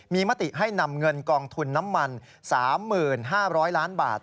มีมติให้นำเงินกองทุนน้ำมัน๓๕๐๐ล้านบาท